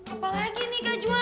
apa lagi nih kak juhan